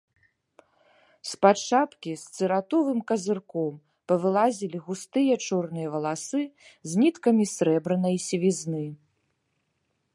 З-пад шапкі з цыратовым казырком павылазілі густыя, чорныя валасы з ніткамі срэбранай сівізны.